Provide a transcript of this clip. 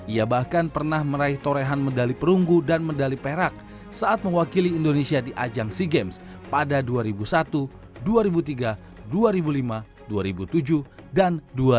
ia bahkan pernah meraih torehan medali perunggu dan medali perak saat mewakili indonesia di ajang sea games pada dua ribu satu dua ribu tiga dua ribu lima dua ribu tujuh dan dua ribu tujuh